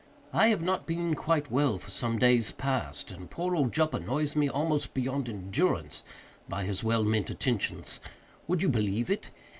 "I have not been quite well for some days past, and poor old Jup annoys me, almost beyond endurance, by his well meant attentions. Would you believe it?